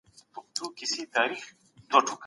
علمي پرمختګ د ټولني د ارتقا پړاوونه ګړندي کوي.